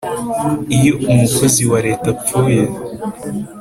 iyo umukozi wa leta apfuye